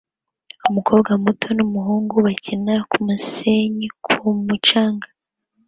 Umukobwa muto n'umuhungu bakina kumusenyi ku mucanga